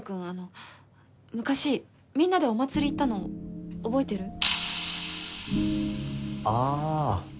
あの昔みんなでお祭り行ったの覚えてる？ああ！